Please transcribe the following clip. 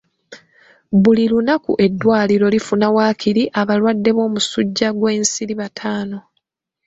Buli lunaku eddwaliro lifuna waakiri abalwadde b'omusujja gw'ensiri bataano.